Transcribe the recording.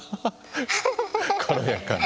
軽やかに。